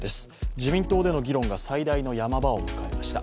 自民党での議論が最大のヤマ場を迎えました。